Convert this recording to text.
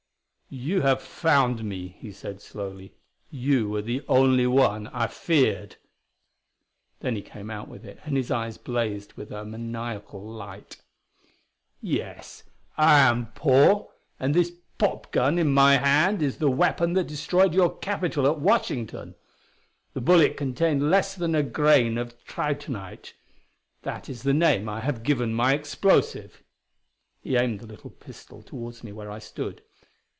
"You have found me," he said slowly; "you were the only one I feared." Then he came out with it, and his eyes blazed with a maniacal light. "Yes, I am Paul! and this 'pop gun' in my hand is the weapon that destroyed your Capitol at Washington. The bullet contained less than a grain of tritonite; that is the name I have given my explosive." He aimed the little pistol toward me where I stood.